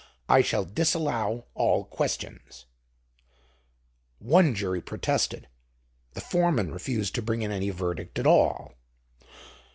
I shall disallow all questions." One jury protested. The foreman refused to bring in any verdict at all.